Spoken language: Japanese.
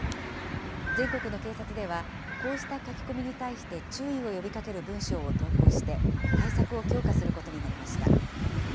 全国の警察では、こうした書き込みに対して注意を呼びかける文章を投稿して、対策を強化することになりました。